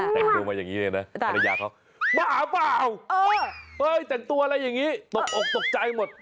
แต่งตัวมาอย่างนี้เลยนะภรรยาเขาบ้าเปล่าแต่งตัวอะไรอย่างนี้ตกออกตกใจหมด